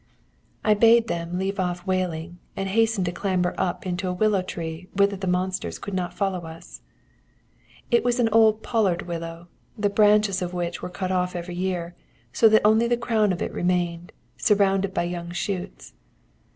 "I bade them leave off wailing, and hasten to clamber up into a willow tree, whither the monsters could not follow us. "It was an old pollard willow, the branches of which were cut off every year, so that only the crown of it remained, surrounded by young shoots.